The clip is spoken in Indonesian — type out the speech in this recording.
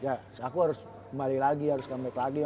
ya aku harus kembali lagi harus kembali lagi